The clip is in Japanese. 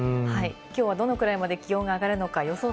きょうはどのくらいまで気温が上がるのか予想